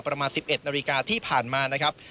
ประมาณ๑๑นาฬิกาที่ผ่านมานะครับ